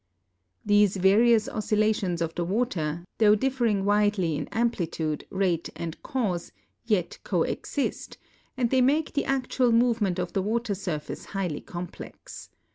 These various oscillations of the water, though differing widel3^ in amplitude, rate, and cause, yet coexist, and the3^ make the actual movement of the water surface highly complex.